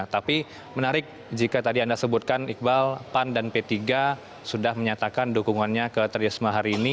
tapi menarik jika tadi anda sebutkan iqbal pan dan p tiga sudah menyatakan dukungannya ke tririsma hari ini